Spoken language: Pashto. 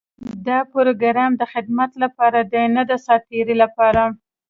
دا پروګرام د خدمت لپاره دی، نۀ د ساعتېري لپاره.